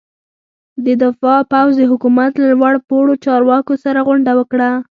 د دفاع پوځ د حکومت له لوړ پوړو چارواکو سره غونډه وکړه.